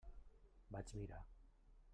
Vaig mirar.